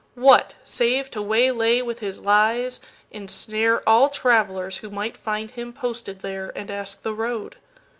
What, save to waylay with his lies, ensnareAll travellers who might find him posted there, And ask the road?